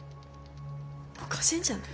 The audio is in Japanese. おかしいんじゃない？